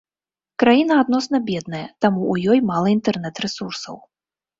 Краіна адносна бедная, таму ў ёй мала інтэрнет-рэсурсаў.